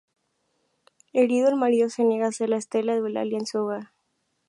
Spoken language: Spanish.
Herido, el marido se niega a hacer la estela de Eulalia en su hogar.